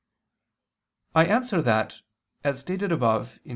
I answer that, As stated above (Q.